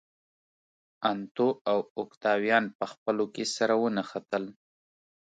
انتو او اوکتاویان په خپلو کې سره ونښتل.